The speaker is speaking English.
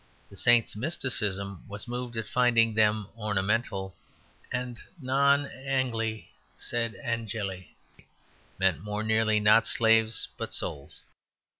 The saint's mysticism was moved at finding them ornamental; and "Non Angli sed Angeli" meant more nearly "Not slaves, but souls."